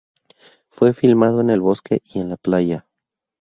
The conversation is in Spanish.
Fue filmado en el bosque y en la playa.